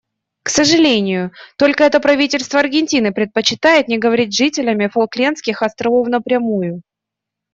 К сожалению, только это правительство Аргентины предпочитает не говорить с жителями Фолклендских островов напрямую.